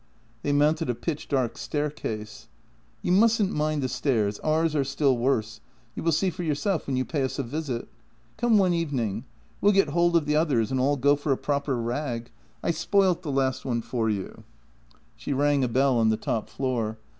They mounted a pitch dark staircase. "You mustn't mind the stairs; ours are still worse: you will see for yourself when you pay us a visit. Come one evening. We'll get hold of the others and all go for a proper rag. I spoilt the last one for you." 6o JENNY She rang a bell on the top floor.